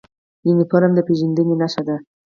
یونفورم د پیژندنې نښه ده